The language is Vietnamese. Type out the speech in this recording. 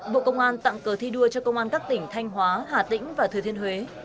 bộ công an tặng cờ thi đua cho công an các tỉnh thanh hóa hà tĩnh và thừa thiên huế